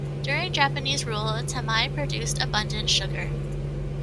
During Japanese rule, Tamai produced abundant sugar.